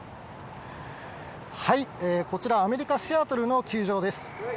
こちらアメリカ、シアトルの球場です。